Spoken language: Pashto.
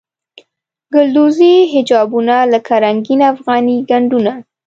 ګلدوزي حجابونه لکه رنګین افغاني ګنډونه.